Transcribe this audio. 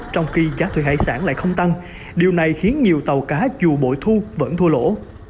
trong khi giá thuê hải sản lại không tăng điều này khiến nhiều tàu cá dù bội thu vẫn thua lỗ